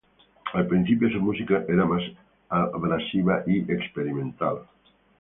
Al principio su música era más abrasiva y experimental.